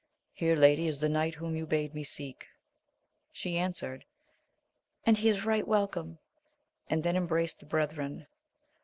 Here, lady, is the knight whom you bade me seek. She answered. And he is right welcome ! and then embraced the brethren.